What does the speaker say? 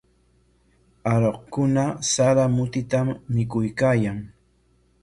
Aruqkuna sara mutitam mikuykaayan.